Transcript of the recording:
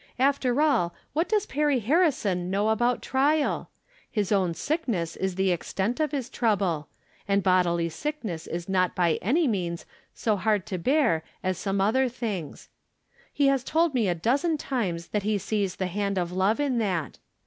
After all, what does Perry Harrison know about trial ? His. own sickness is the ex tent of his trouble, and bodily sickness is not by any means so hard to bear as some other tilings. He has told me a dozen times that he sees the hand of love in that.